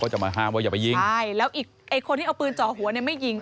จะมาห้ามว่าอย่าไปยิงใช่แล้วอีกไอ้คนที่เอาปืนจ่อหัวเนี่ยไม่ยิง